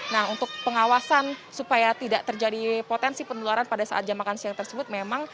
nah untuk pengawasan supaya tidak terjadi potensi penularan pada saat jam makan siang tersebut memang